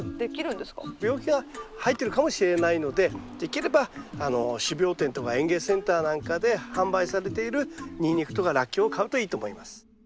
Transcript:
病気が入ってるかもしれないのでできれば種苗店とか園芸センターなんかで販売されているニンニクとかラッキョウを買うといいと思います。